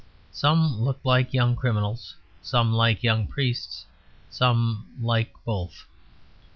Some looked like young criminals, some like young priests, some like both.